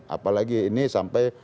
apalagi ini sampai